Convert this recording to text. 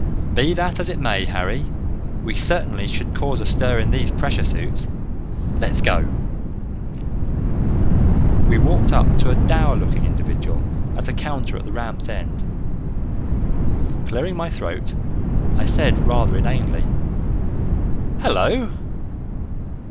"Be that as it may, Harry, we certainly should cause a stir in these pressure suits. Let's go!" We walked up to a dour looking individual at a counter at the ramp's end. Clearing my throat, I said rather inanely, "Hello!"